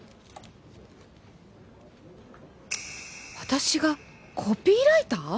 私がコピーライター？